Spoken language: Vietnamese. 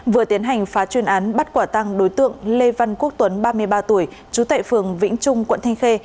vừa tiến hành phá chuyên án bắt quả tăng đối tượng lê văn quốc tuấn ba mươi ba tuổi trú tại phường vĩnh trung quận thanh khê